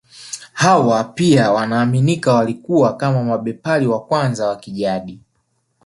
Hawa pia wanaaminika walikuwa kama mabepari wa kwanza wa kijadi